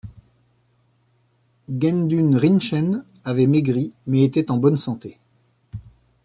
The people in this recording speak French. Gendun Rinchen avait maigri, mais était en bonne santé.